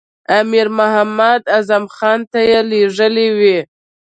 امیر محمد اعظم خان ته یې لېږلی وي.